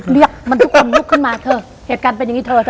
เรียกมันทุกคนลุกขึ้นมาเถอะเหตุการณ์เป็นอย่างนี้เธอเถ